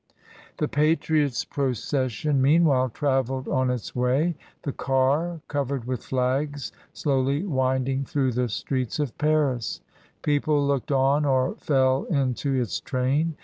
The patriot's procession, meanwhile, travelled on its way, the car, covered with flags, slowly wind ing through the streets of Paris; people looked on or fell into its train.